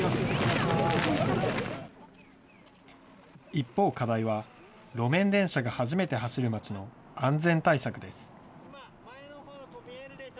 一方、課題は、路面電車が初めて走るまちの安全対策です。